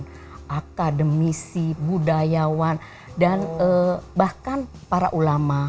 sejarah demisi budayawan dan bahkan para ulama